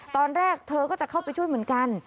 ตอนแรกเธอก็จะเข้าไปช่วยเหมือนกัน